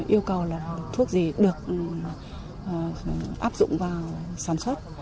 yêu cầu là thuốc gì được áp dụng vào sản xuất